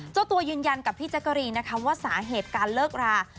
เจ้าตัวยืนยันกับพี่แจ๊กกะรีนนะคะว่าสาเหตุการเลิกรา